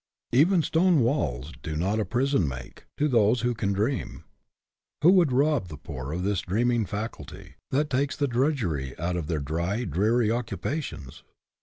Even " stone walls do not a prison make " to those who can dream. Who would rob the poor of this dreaming faculty, that takes the drudgery out of their 72 WORLD OWES TO DREAMERS dry, dreary occupations?